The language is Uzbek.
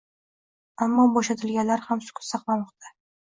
Ammo bo‘shatilganlar ham sukut saqlamoqda.